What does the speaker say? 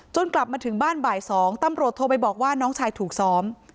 กลับมาถึงบ้านบ่าย๒ตำรวจโทรไปบอกว่าน้องชายถูกซ้อม